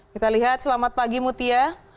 kita lihat selamat pagi mutia